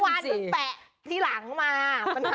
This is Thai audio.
ก็วันแปะที่หลังมา